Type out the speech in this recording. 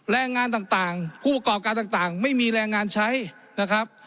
แรงงานต่างผู้ประกอบการต่างไม่มีแรงงานใช้นะครับ